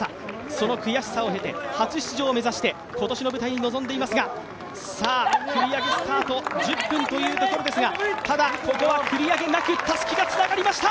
その悔しさを経て、初出場を経て今年の舞台に進んでいますが、繰り上げスタート、１０分というところですが、ただ、ここは繰り上げなく、たすきがつながりました。